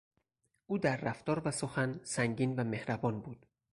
او در رفتار و سخن سنگین و مهربان بود.